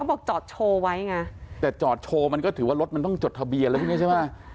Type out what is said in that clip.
บอกจอดโชว์ไว้ไงแต่จอดโชว์มันก็ถือว่ารถมันต้องจดทะเบียนอะไรพวกนี้ใช่ไหม